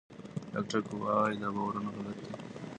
ډاکټر ګو وايي دا باورونه غلط دي.